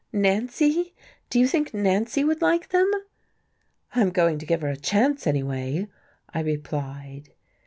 "Nancy! Do you think Nancy would like them?" "I'm going to give her a chance, anyway," I replied....